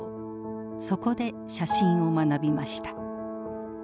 そこで写真を学びました。